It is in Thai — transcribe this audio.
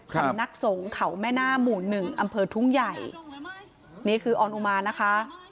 สำนักสงฆ์เขาแม่หน้าหมู่หนึ่งอำเภอทุ่งใหญ่นี่คือออนอุมานะคะ